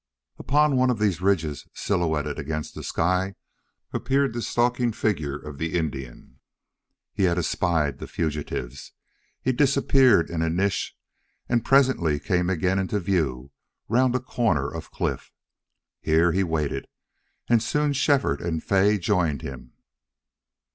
Upon one of these ridges, silhouetted against the sky, appeared the stalking figure of the Indian. He had espied the fugitives. He disappeared in a niche, and presently came again into view round a corner of cliff. Here he waited, and soon Shefford and Fay joined him.